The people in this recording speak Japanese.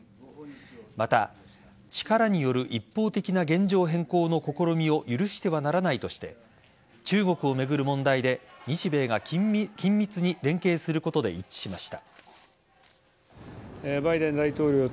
また、力による一方的な現状変更の試みを許してはならないとして中国を巡る問題で日米が緊密に連携することで一致しました。